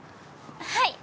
はい。